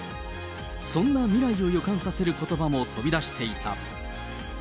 そんな未来を予感させることばも飛び出していた。